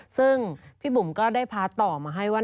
ซึ่งพี่บุ๋มก็ได้พาร์ทต่อมาให้ว่า